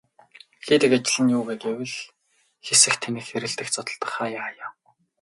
Хийдэг ажил нь юу вэ гэвэл хэсэх, тэнэх хэрэлдэх, зодолдох хааяа хааяа.